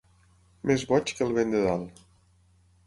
Més boig que el vent de dalt.